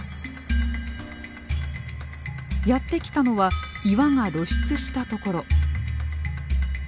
やって来たのは岩が露出したところ。